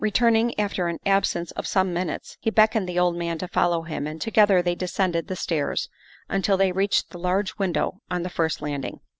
Returning after an ab sence of some minutes, he beckoned the old man to follow him, and together they descended the stairs until they reached the large window on the first landing.